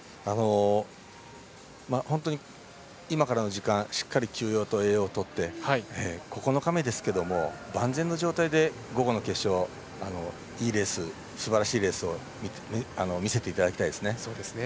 本当に今からの時間しっかり休養と栄養をとって９日目ですけれども万全の状態で午後の決勝、いいレースすばらしいレースを見せていただきたいですね。